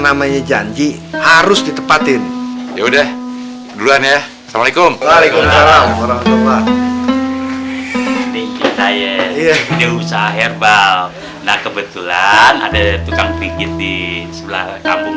paku paku dicabutin dong